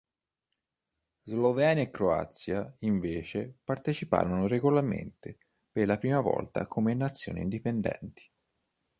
Slovenia e Croazia, invece parteciparono regolarmente per la prima volta come nazioni indipendenti.